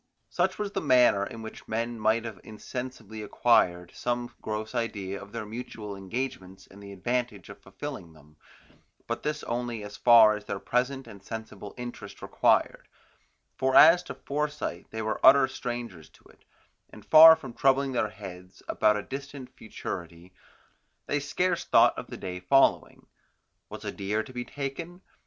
Such was the manner in which men might have insensibly acquired some gross idea of their mutual engagements and the advantage of fulfilling them, but this only as far as their present and sensible interest required; for as to foresight they were utter strangers to it, and far from troubling their heads about a distant futurity, they scarce thought of the day following. Was a deer to be taken?